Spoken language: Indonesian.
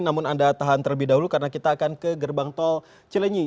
namun anda tahan terlebih dahulu karena kita akan ke gerbang tol cilenyi